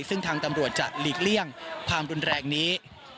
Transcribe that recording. ซึ่งทางตำรวจจะหลีกเลี่ยงความรุนแรงนี้